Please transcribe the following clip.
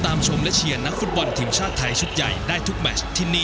ชมและเชียร์นักฟุตบอลทีมชาติไทยชุดใหญ่ได้ทุกแมชที่นี่